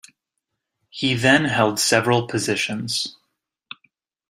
He then held several positions.